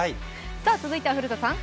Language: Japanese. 続いては古田さん。